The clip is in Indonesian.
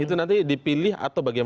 itu nanti dipilih atau bagaimana